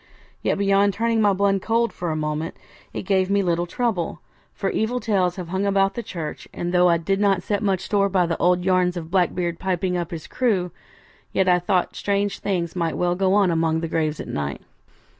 Yet beyond turning my blood cold for a moment, it gave me little trouble, for evil tales have hung about the church; and though I did not set much store by the old yarns of Blackbeard piping up his crew, yet I thought strange things might well go on among the graves at night.